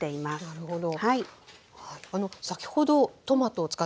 なるほど。